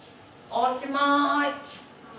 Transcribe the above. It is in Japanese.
おしまい！